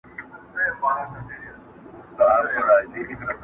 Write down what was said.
قلندر ويل تا غوښتل غيرانونه٫